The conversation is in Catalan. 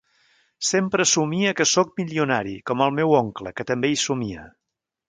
Sempre somie que soc milionari com el meu oncle, que també hi somia.